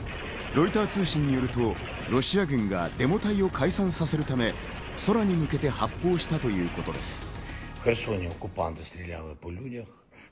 ロイター通信によると、ロシア軍がデモ隊を解散させるため、空に向けて発砲したということです。